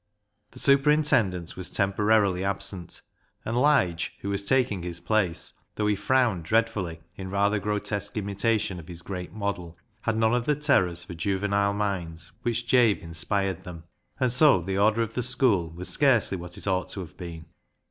The superintendent was temporarily absent, and Lige, who was taking his place, though he frowned dreadfully in rather grotesque imitation of his great model, had none of the terrors for juvenile minds with which Jabe inspired them, and so the order of the school was scarcely what it ought to have been.